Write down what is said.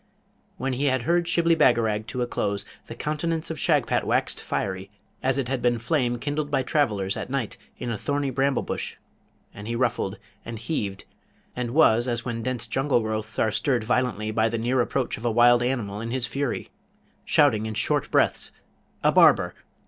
When he had heard Shibli Bagarag to a close, the countenance of Shagpat waxed fiery, as it had been flame kindled by travellers at night in a thorny bramble bush, and he ruffled, and heaved, and was as when dense jungle growths are stirred violently by the near approach of a wild animal in his fury, shouting in short breaths, 'A barber!